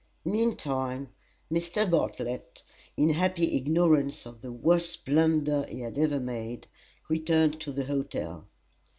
Meantime Mr. Bartlett, in happy ignorance of the worst blunder he had ever made, returned to the hotel.